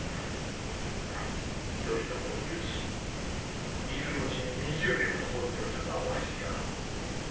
頼朝を許し伊豆の地に２０年も放っておいたのはわしじゃ。